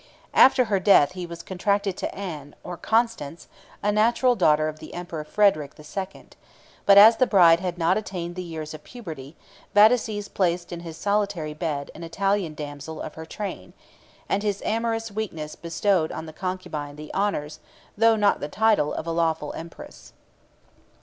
After her death he was contracted to Anne, or Constance, a natural daughter of the emperor Frederic 499 the Second; but as the bride had not attained the years of puberty, Vataces placed in his solitary bed an Italian damsel of her train; and his amorous weakness bestowed on the concubine the honors, though not the title, of a lawful empress.